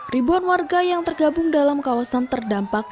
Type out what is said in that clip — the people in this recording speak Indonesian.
ribuan warga yang tergabung dalam kawasan terdampak